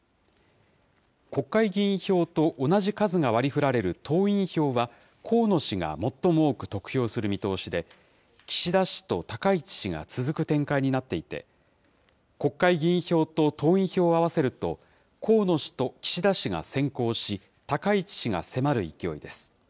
国会議員票と同じ数が割りふられる党員票は、河野氏が最も多く得票する見通しで、岸田氏と高市氏が続く展開になっていて、国会議員票と党員票を合わせると、河野氏と岸田氏が先行し、高市氏が迫る勢いです。